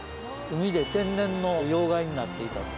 海で天然の要害になっていたと。